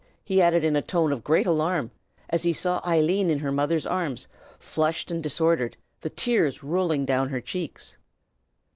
he added in a tone of great alarm, as he saw Eileen in her mother's arms, flushed and disordered, the tears rolling down her cheeks.